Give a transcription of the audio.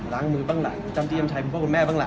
ล้างมือบ้างหล่ะจ้ำจิ้มชัยพวกคุณแม่บ้างหล่ะ